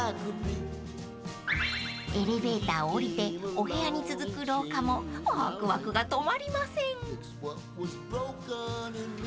［エレベーターを降りてお部屋に続く廊下もワクワクが止まりません］